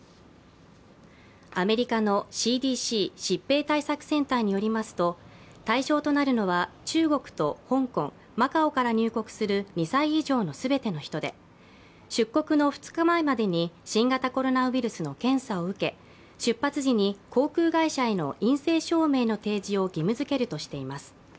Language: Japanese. アメリカのＣＤＣ＝疾病対策センターによりますと対象となるのは中国と香港、マカオから入国する２歳以上の全ての人で出国の２日前までに新型コロナウイルスの検査を受け出発時に航空会社への陰性証明の提示を義務づけるとしています。